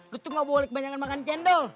gue tuh gak boleh kebanyakan makan cendol